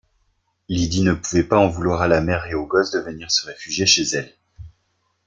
Lydie ne pouvait pas en vouloir à la mère et au gosse de venir se réfugier chez elle.